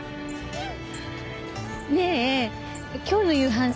うん。